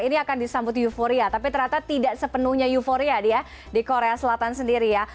ini akan disambut euforia tapi ternyata tidak sepenuhnya euforia dia di korea selatan sendiri ya